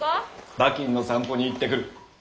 バキンの散歩に行ってくるッ！